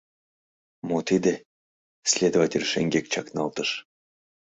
— Мо тиде? — следователь шеҥгек чакналтыш.